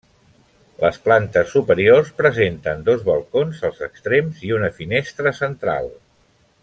Les plantes superiors presenten dos balcons als extrems i una finestra central.